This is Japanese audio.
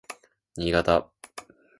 新潟